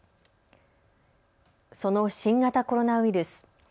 その新型コロナウイルス。